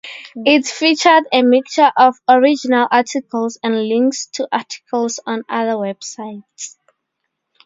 It featured a mixture of original articles and links to articles on other websites.